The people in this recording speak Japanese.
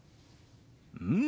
うん！